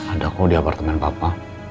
ada kok di apartemen papa